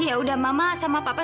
ya udah mama sama papa